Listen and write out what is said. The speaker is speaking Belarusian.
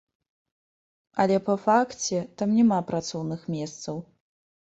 Але па факце, там няма працоўных месцаў.